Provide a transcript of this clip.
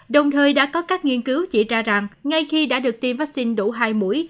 đồng thời đã có các nghiên cứu chỉ ra rằng ngay khi đã được tiêm vaccine đủ hai mũi